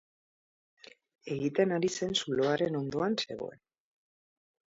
Egiten ari zen zuloaren hondoan zegoen.